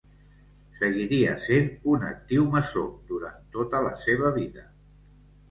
Seguiria sent un actiu maçó durant tota la seva vida.